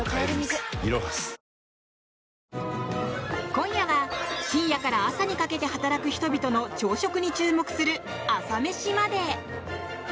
今夜は深夜から朝にかけて働く人々の朝食に注目する「朝メシまで。」。